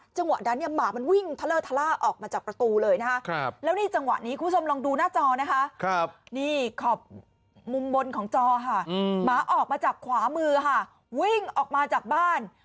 จังหวะนั้นเนี่ยหมามันวิ่งทะเลอร์ทะล่าออกมาจากประตูเลยนะคะแล้วนี่จังหวะนี้คุณผู้ชมลองดูหน้าจอนะคะนี่ขอบมุมบนของจอค่ะหมาออกมาจากขวามือค่ะวิ่งออกมาจากบ้าน